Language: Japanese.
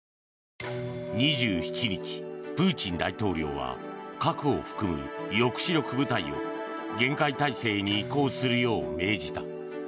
２７日、プーチン大統領は核を含む抑止力部隊を厳戒態勢に移行するよう命じた。